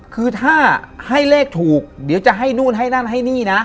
คือถ้าให้เลขถูกเดี๋ยวจะให้นู่นให้นั่นให้นี่นะ